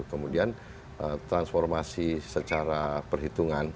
kemudian transformasi secara perhitungan